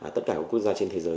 tất cả các quốc gia trên thế giới